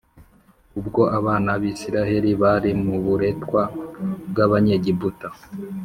Ubwo abana b’Isiraheli bari mu buretwa bw’Abanyegiputa,